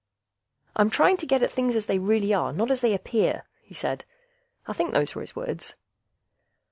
"I'm trying to get at things as they really are, not as they appear," he said. I think those were his words.